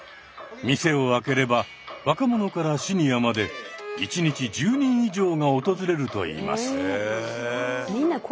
店を開ければ若者からシニアまで１日１０人以上が訪れるといいます。